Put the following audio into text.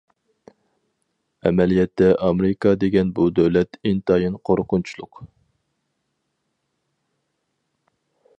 ئەمەلىيەتتە ئامېرىكا دېگەن بۇ دۆلەت ئىنتايىن قورقۇنچلۇق.